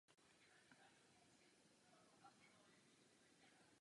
Tento letopočet je na ní dodnes patrný.